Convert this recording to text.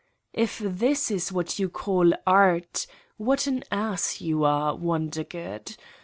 If this is what you call art, what an ass you are, Wondergood.